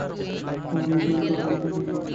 আমি কী করি তাও জানতে চান নি।